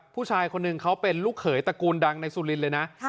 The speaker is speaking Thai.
ผู้ชายคนหนึ่งเขาเป็นลูกเขยตระกูลดังในสุรินทร์เลยนะ